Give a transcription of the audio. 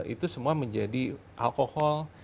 itu semua menjadi alkohol